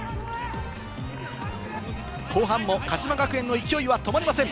後半も鹿島学園の勢いは止まりません。